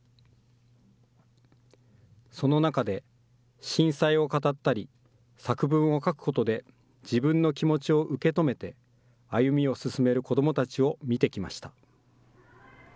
その中で、震災を語ったり、作文を書くことで自分の気持ちを受け止めて、歩みを進める子どもたちを見てきました。